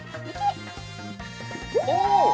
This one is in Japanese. お！